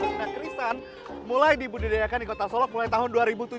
pesta kerisan mulai dibudidayakan di kota solok mulai tahun dua ribu tujuh belas